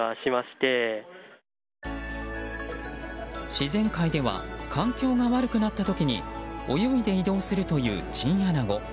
自然界では環境が悪くなった時に泳いで移動するというチンアナゴ。